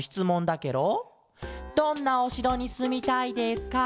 「どんなおしろにすみたいですか？